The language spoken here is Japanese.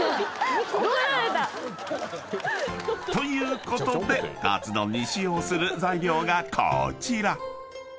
［ということでカツ丼に使用する材料がこちら］